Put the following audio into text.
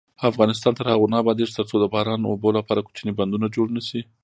افغانستان تر هغو نه ابادیږي، ترڅو د باران اوبو لپاره کوچني بندونه جوړ نشي.